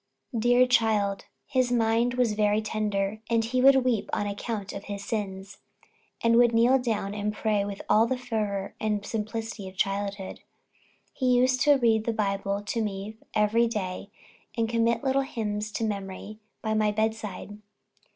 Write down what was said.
Dear child! his mind was very tender, and he would weep on account of his sins, and would kneel down and pray with all the fervor and simplicity of childhood. He used to read the Bible to me every day, and commit little hymns to memory by my bedside.